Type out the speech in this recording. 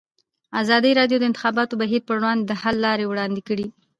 ازادي راډیو د د انتخاباتو بهیر پر وړاندې د حل لارې وړاندې کړي.